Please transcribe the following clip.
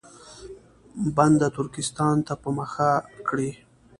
بنده ترکستان ته په مخه کړي.